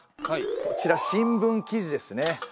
こちら新聞記事ですね。